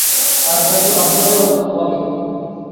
আজ রাতে বাচ্চাদের মতো ঘুমাবে তুমি।